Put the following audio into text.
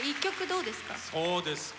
そうですか？